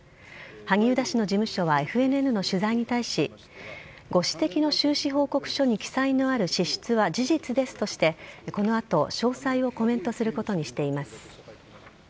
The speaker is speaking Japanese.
萩生田氏の事務所はＦＮＮの取材に対しご指摘の収支報告書に記載のある支出は事実ですとしてこの後、詳細をコメントすることにしています。